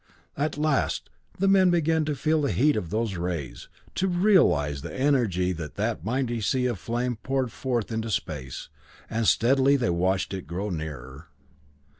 At last the men began to feel the heat of those rays, to realize the energy that that mighty sea of flame poured forth into space, and steadily they watched it grow nearer.